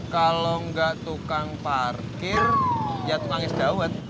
kalau nggak tukang parkir ya tukang es dawat